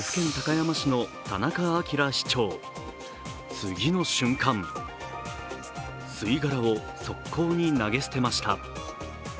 次の瞬間、吸い殻を側溝に投げ捨てました。